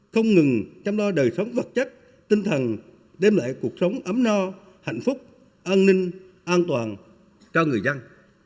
không ngừng chăm lo đời sống vật chất tinh thần đem lại cuộc sống ấm no hạnh phúc an ninh an toàn cho người dân